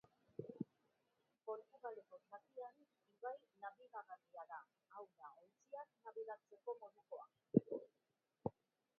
Portugaleko zatian, ibai nabigagarria da, hau da, ontziak nabigatzeko modukoa.